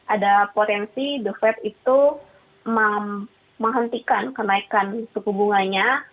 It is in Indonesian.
ada potensi the fed itu menghentikan kenaikan suku bunganya